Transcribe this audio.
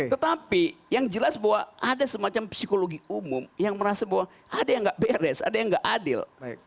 tetapi yang jelas bahwa ada semacam psikologi umum yang merasa bahwa ada yang nggak beres ada yang nggak adil